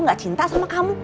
gak cinta sama kamu